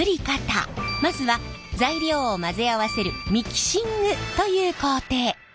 まずは材料を混ぜ合わせるミキシングという工程。